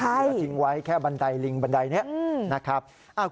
เหลือทิ้งไว้แค่บันไดลิงบันไดนี้นะครับ